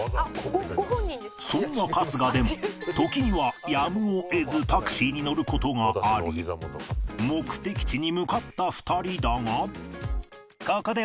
そんな春日でも時にはやむを得ずタクシーに乗る事があり目的地に向かった２人だが。